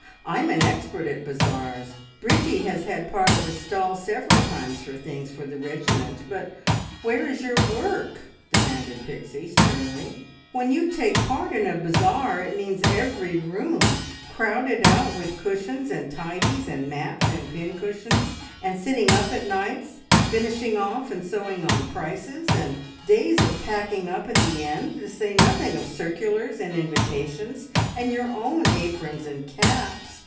I'm an expert at bazaars. Bridgie has had part of a stall several times for things for the regiment; but where is your work?" demanded Pixie sternly. "When you take part in a bazaar it means every room crowded out with cushions and tidies, and mats and pincushions, and sitting up at nights, finishing off and sewing on prices, and days of packing up at the end, to say nothing of circulars and invitations, and your own aprons and caps.